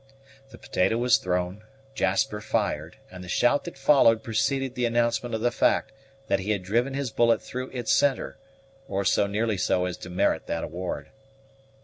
The potato was thrown, Jasper fired, and the shout that followed preceded the announcement of the fact that he had driven his bullet through its centre, or so nearly so as to merit that award.